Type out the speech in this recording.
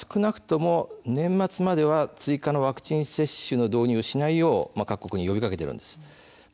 ＷＨＯは少なくとも年末までは追加のワクチン接種の導入をしないよう各国に呼びかけているんです。